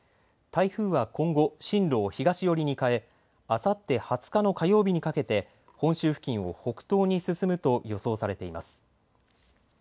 台風は今後、進路を東寄りに変え、あさって２０日の火曜日にかけて本州付近を北東に進むと予想されています。